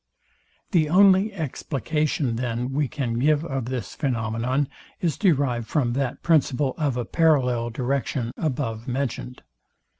The only explication, then, we can give of this phænomenon is derived from that principle of a parallel direction above mentioned.